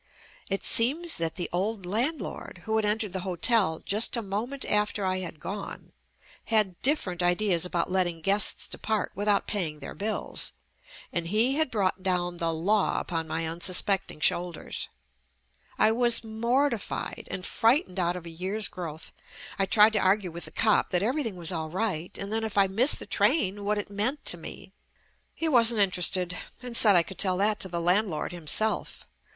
It seems that the old landlord who had entered the hotel just a moment after I had gone, had different ideas about letting JUST ME guests depart without paying their bills, and he had brought down the law upon my unsus pecting shoulders. I was mortified and frightened out of a year's growth. I tried to argue with the cop that everything was all right, and that if I missed the train what it meant to me. He wasn't interested and said I could tell that to the landlord himself.